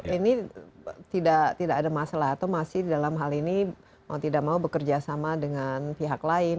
ini tidak ada masalah atau masih dalam hal ini mau tidak mau bekerja sama dengan pihak lain